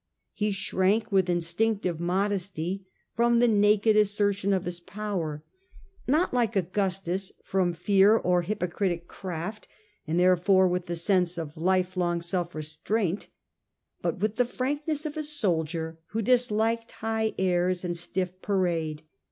He shrank with instinctive modesty from the naked 97 117 Trajan, ii assertion of his power ; not like Augustus from fear or hypocritic craft, and therefore with the sense His homely of life long self restraint, but with the frank ness of a soldier who disliked high airs and courtesy stiff parade.